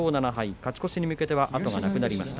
勝ち越しに向けて、後がなくなりました。